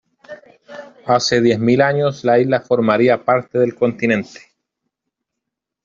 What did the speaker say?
Hace diez mil años la isla formaría parte del continente.